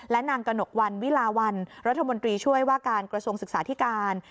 และนางกระหนกวันวิลาวันรัฐมนตรีช่วยว่าการกระทรวงศึกษาธิการ